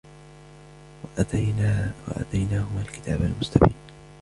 وآتيناهما الكتاب المستبين